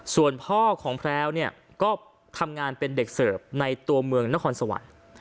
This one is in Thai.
ส่วนพ่อของแพรวเนี่ยก็ทำงานเป็นเด็กเสิร์ฟในตัวเมืองนครสวรรค์